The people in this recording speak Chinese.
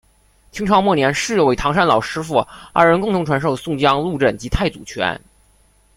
清朝末年是有位唐山老师父二人共同传授宋江鹿阵及太祖拳。